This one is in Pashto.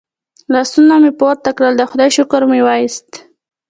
لاسونه مې پورته کړل د خدای شکر مو وایست.